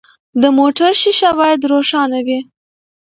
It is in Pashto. د موټر شیشه باید روښانه وي.